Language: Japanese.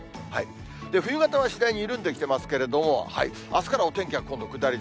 冬型は次第に緩んできていますけれども、あすからお天気は今度下り坂。